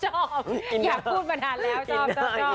ชอบอยากพูดมานานแล้วชอบ